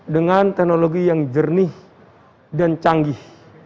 dengan teknologi yang jernih dan canggih